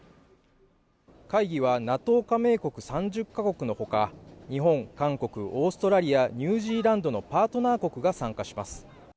会議はＮＡＴＯ加盟国３０カ国のほか、日本、韓国、オーストラリア、ニュージーランドのパートナー国が参加します。